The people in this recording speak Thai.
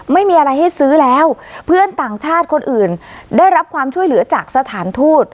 ไม่มีอะไรให้ซื้อแล้วเพื่อนต่างชาติคนอื่นได้รับความช่วยเหลือจากสถานทูต